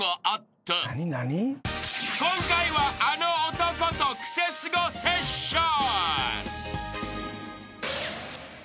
［今回はあの男とクセスゴセッション］